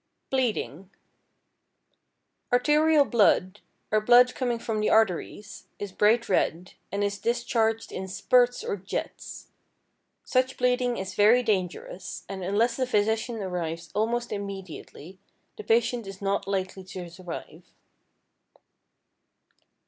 =Bleeding.= Arterial blood, or blood coming from the arteries, is bright red, and is discharged in spurts or jets. Such bleeding is very dangerous, and unless a physician arrives almost immediately the patient is not likely to survive.